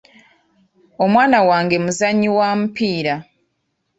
Omwana wange muzannyi wa mupiira.